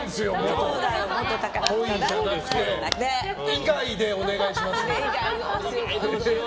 以外でお願いします。